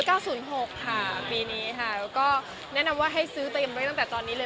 ก็ศูนย์๖ปีนี้ค่ะก็แนะนำว่าให้ซื้อเตรียมด้วยตั้งแต่ตอนนี้เลย